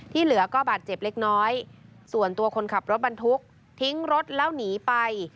เหลือก็บาดเจ็บเล็กน้อยส่วนตัวคนขับรถบรรทุกทิ้งรถแล้วหนีไป